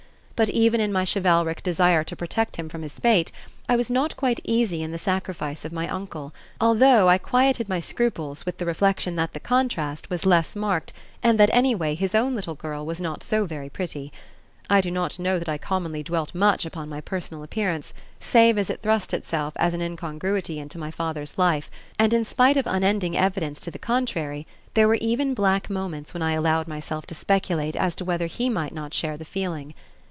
But even in my chivalric desire to protect him from his fate, I was not quite easy in the sacrifice of my uncle, although I quieted my scruples with the reflection that the contrast was less marked and that, anyway, his own little girl "was not so very pretty." I do not know that I commonly dwelt much upon my personal appearance, save as it thrust itself as an incongruity into my father's life, and in spite of unending evidence to the contrary, there were even black moments when I allowed myself to speculate as to whether he might not share the feeling.